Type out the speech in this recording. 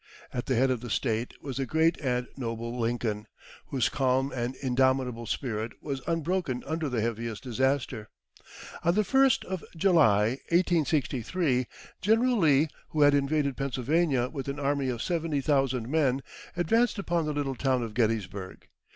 At the head of the State was the great and noble Lincoln, whose calm and indomitable spirit was unbroken under the heaviest disaster. On the first of July 1863, General Lee, who had invaded Pennsylvania with an army of seventy thousand men, advanced upon the little town of Gettysburg.